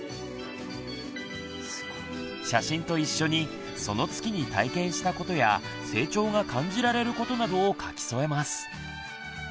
写真と一緒にその月に体験したことや成長が感じられることなどを書き添えます。